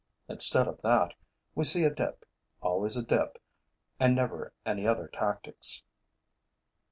Instead of that, we see a dip, always a dip and never any other tactics.